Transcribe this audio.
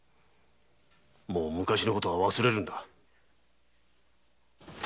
もう昔の事は忘れるんだ。